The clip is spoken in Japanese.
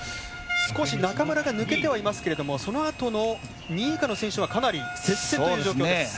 少し中村が抜けてはいますけれどもそのあとの２位以下の選手はかなり接戦という状況です。